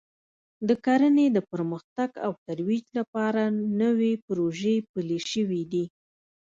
د کرنې د پرمختګ او ترویج لپاره نوې پروژې پلې شوې دي